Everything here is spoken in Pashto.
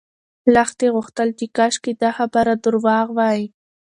لښتې غوښتل چې کاشکې دا خبر درواغ وای.